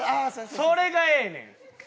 それがええねん。